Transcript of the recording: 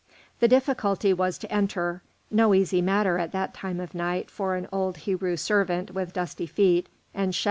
The difficulty was to enter, no easy matter at that time of the night for an old Hebrew servant with dusty feet and shabby garments.